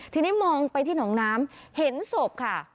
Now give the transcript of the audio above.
ทีนี้มองไปที่หนองน้ำเห็นศพค่ะ